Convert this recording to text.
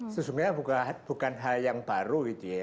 sesungguhnya bukan hal yang baru